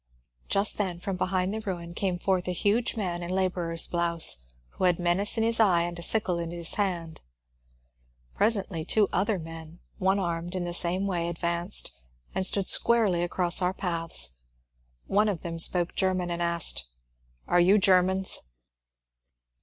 Just then from behind the ruin came forth a huge man in labourer's blouse, who had menace in his eye and a sickle in his hand. Presently two other men, one armed in the same way, ad vanced and stood squarely across our path. One of them spoke German and asked, ^' Are you Germans